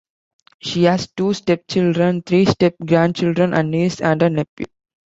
She has two stepchildren, three step grandchildren, a niece and a nephew.